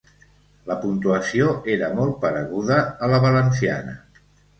La puntuació era molt pareguda a la valenciana.